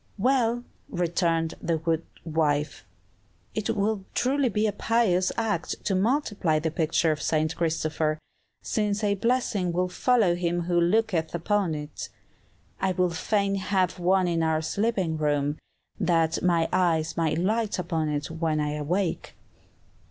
"Well," returned the good wife, "it would truly be a pious act to multiply the picture of 'St. Christopher,' since a blessing will follow him who looketh upon it. I would fain have one in our sleeping room, that my eyes may light upon it when I awake."